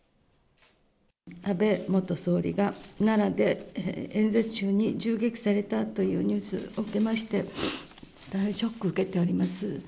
安倍元総理が奈良で演説中に銃撃されたというニュースを受けまして、大ショックを受けています。